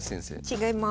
違います。